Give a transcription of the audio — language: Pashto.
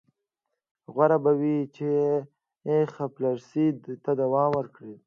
غوره به وي چې خپلسرۍ ته دوام ورکړي.